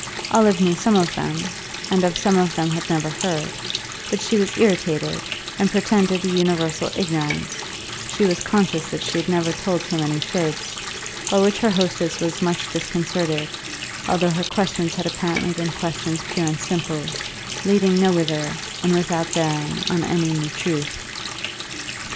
Olive knew some of them, and of some of them had never heard; but she was irritated, and pretended a universal ignorance (she was conscious that she had never told so many fibs), by which her hostess was much disconcerted, although her questions had apparently been questions pure and simple, leading nowhither and without bearings on any new truth.